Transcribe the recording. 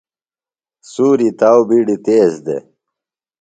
سُوری تاؤ بِیڈیۡ تیز دےۡ۔